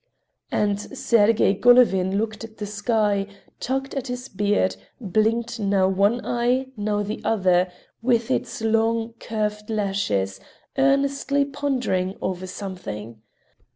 And Sergey Golovin looked at the sky, tugged at his beard, blinked now one eye, now the other, with its long, curved lashes, earnestly pondering over something.